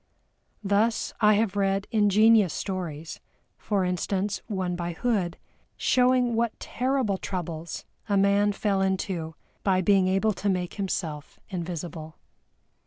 Thus I have read ingenious stories, as for instance one by HOOD, showing what terrible troubles a man fell into by being able to make himself invisible.